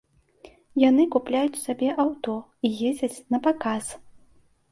Яны купляюць сабе аўто і ездзяць напаказ.